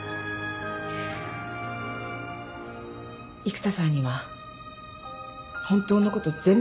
育田さんには本当のこと全部話すよ。